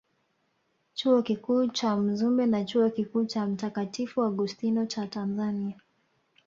Chuo Kikuu cha Mzumbe na Chuo Kikuu cha Mtakatifu Augustino cha Tanzania